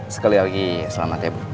sekali lagi selamat ya bu